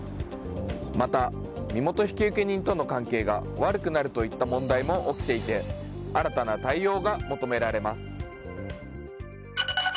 また、身元引受人との関係が悪くなるといった問題も起きていて新たな対応が求められます。